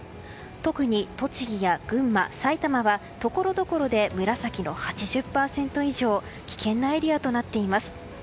特に栃木や群馬、埼玉はところどころで紫の８０％以上危険なエリアとなっています。